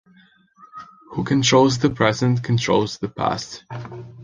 Who controls the present controls the past.